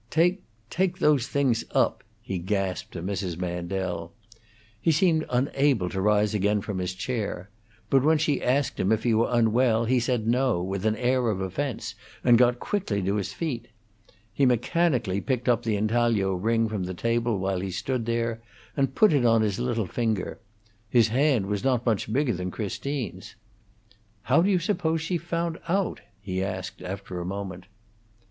"Take take those things up," he gasped to Mrs. Mandel. He seemed unable to rise again from his chair; but when she asked him if he were unwell, he said no, with an air of offence, and got quickly to his feet. He mechanically picked up the intaglio ring from the table while he stood there, and put it on his little finger; his hand was not much bigger than Christine's. "How do you suppose she found it out?" he asked, after a moment.